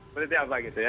berarti apa gitu ya